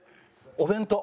お弁当。